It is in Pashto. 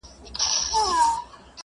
پر امیر باندي هغه ګړی قیامت سو،